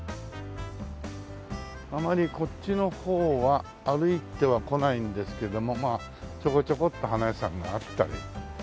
あまりこっちの方は歩いてはこないんですけどもまあちょこちょこっと花屋さんがあったり。